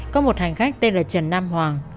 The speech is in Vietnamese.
có một hành khách tên là trần nam hoàng